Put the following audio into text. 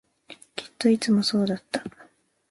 きっといつもそうだった